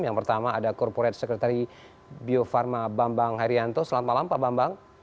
yang pertama ada corporate secretary bio farma bambang herianto selamat malam pak bambang